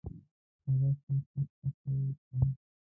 هغه خو سخت خفه و کنه